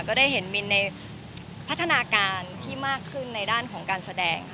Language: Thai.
ก็ได้เห็นมินในพัฒนาการที่มากขึ้นในด้านของการแสดง